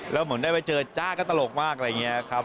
แล้วเหมือนได้ไปเจอจ้าก็ตลกมากอะไรอย่างนี้ครับ